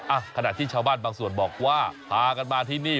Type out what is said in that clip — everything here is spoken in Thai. อ่ะขณะที่ชาวบ้านบางส่วนบอกว่าพากันมาที่นี่